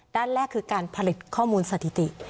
ด้านแรกคือการผลิตข้อมูลสถิติ